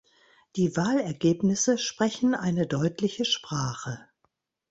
Die Wahlergebnisse sprechen eine deutliche Sprache.